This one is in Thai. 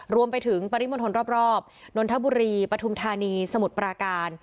รวมไปถึงปริมทรรพรอบนนทบุรีปทุมธานีสมุทรปราการ